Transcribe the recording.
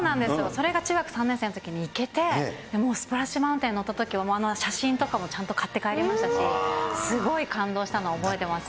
それが中学３年生のときに行けて、もうスプラッシュマウンテン乗ったとき、もう写真とかもちゃんと買って帰りましたし、すごい感動したのを覚えてますね。